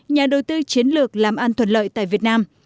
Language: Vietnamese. nhà đầu tư chiến lược làm an thuận lợi tại việt nam